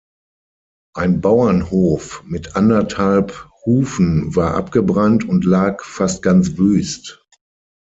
Ein Bauernhof mit anderthalb Hufen war abgebrannt und lag fast ganz wüst.